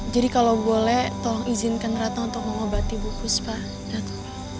jadi kalau boleh tolong izinkan ratna untuk mengobati ibu buspa dato